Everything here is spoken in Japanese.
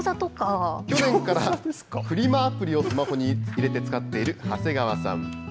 去年からフリマアプリをスマホに入れて使っている長谷川さん。